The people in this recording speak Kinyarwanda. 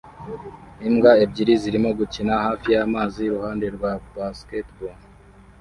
Imbwa ebyiri zirimo gukina hafi y'amazi iruhande rwa basketball